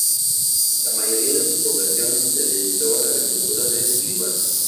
La mayoría de su población se dedica a la agricultura del olivar.